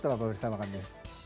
tolong bersama kami